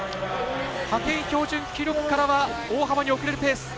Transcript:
派遣標準記録からは大幅に遅れるペース。